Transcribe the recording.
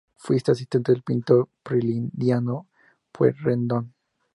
Fue asistente del pintor Prilidiano Pueyrredón.